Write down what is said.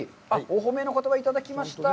お褒めの言葉をいただきました。